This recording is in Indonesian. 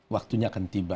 waktunya akan tiba